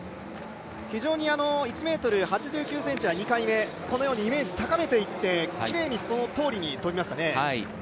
非常に１ｍ８９ｃｍは２回目このようにイメージを高めていってきれいにそのとおりに跳びましたね。